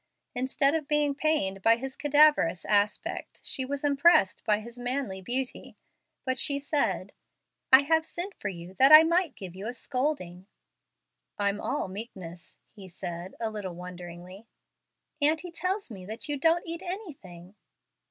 Instead of being pained by his cadaverous aspect, she was impressed by his manly beauty; but she said, "I have sent for you that I might give you a scolding." "I'm all meekness," he said, a little wonderingly. "Aunty tells me that you don't eat anything."